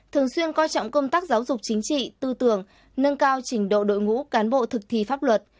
thường xuyên coi trọng công tác giáo dục chính trị tư tưởng nâng cao trình độ đội ngũ cán bộ thực thi pháp luật